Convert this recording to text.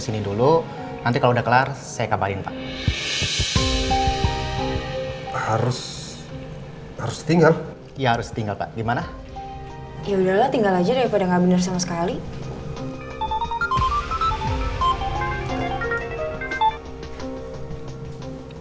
yaudahlah tinggal aja daripada gak bener sama sekali